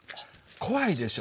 怖いでしょ。